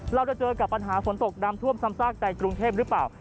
เราจะเจอกับปัญหาฝนตกน้ำท่วมซ้ำซากในกรุงเทพหรือเปล่า